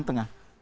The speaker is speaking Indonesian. di lapangan tengah